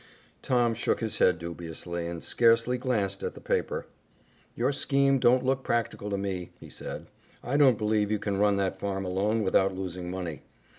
Tom shook his head dubiously and scarcely glanced at the paper. "Your scheme don't look practical to me," he said. "I don't believe you can run that farm alone without losing money.